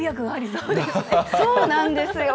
そうなんですよ。